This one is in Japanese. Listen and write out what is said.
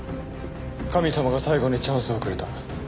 神様が最後にチャンスをくれた。